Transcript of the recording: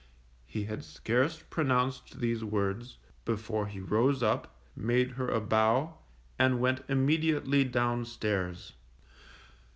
_ He had scarce pronounced these words, before he rose up, made her a bow, and went immediately down stairs.